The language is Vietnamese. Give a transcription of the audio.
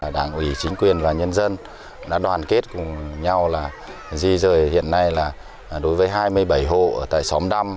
đảng ủy chính quyền và nhân dân đã đoàn kết cùng nhau là di rời hiện nay là đối với hai mươi bảy hộ ở tại xóm đăm